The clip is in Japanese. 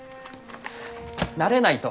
慣れないと。